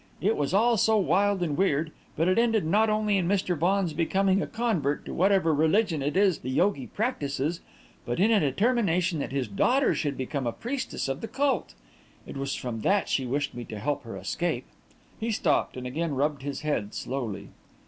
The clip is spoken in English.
"It was all so wild and weird; but it ended not only in Mr. Vaughan's becoming a convert to whatever religion it is the yogi practises, but in a determination that his daughter should become a priestess of the cult. It was from that she wished me to help her to escape." He stopped and again rubbed his head slowly.